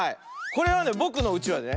これはねぼくのうちわでね